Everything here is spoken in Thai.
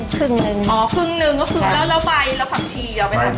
อ๋อครึ่งหนึ่งก็คือแล้วไฟแล้วผักชี